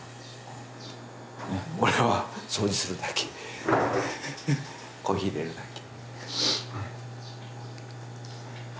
俺は掃除するだけコーヒーいれるだけ。